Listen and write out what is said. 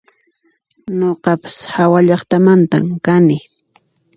Nuqapas hawallaqtamantan kani